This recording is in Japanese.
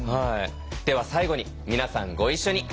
では最後に皆さんご一緒に。